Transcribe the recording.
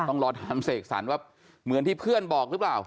ต้องรอถามเสกสรรว่าเหมือนที่เพื่อนบอกหรือเปล่า